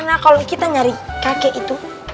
nah gimana kalau kita nyari kakek itu